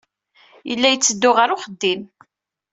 Yella yetteddu ɣer uxeddim.